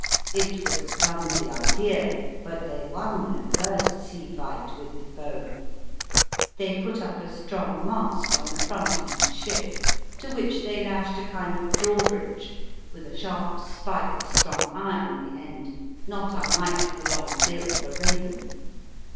It was a clumsy idea, but they won their first sea fight with the foe. They put up a strong mast, on the front of each ship, to which they lashed a kind of drawbridge, with a sharp spike of strong iron at the end, not unlike the long bill of a raven.